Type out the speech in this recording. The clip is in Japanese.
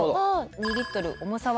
２リットル重さは？